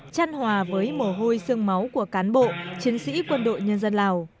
chăn hòa với mồ hôi sương máu của cán bộ chiến sĩ quân đội nhân dân lào